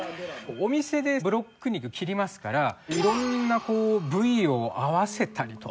お店でブロック肉切りますから色んな部位を合わせたりとかですね。